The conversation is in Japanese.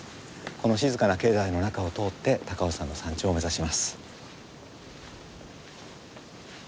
この静かな境内の中を通って高尾山の山頂を目指します。